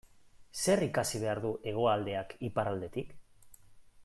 Zer ikasi behar du Hegoaldeak Iparraldetik?